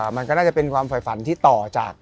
มันก็น่าจะเป็นความฝ่ายฝันที่ต่อจาก